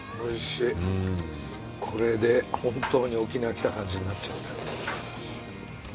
これで本当に沖縄来た感じになっちゃった。